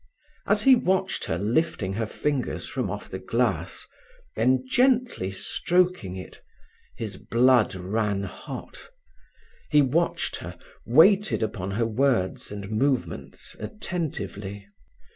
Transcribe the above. As he watched her lifting her fingers from off the glass, then gently stroking it, his blood ran hot. He watched her, waited upon her words and movements attentively.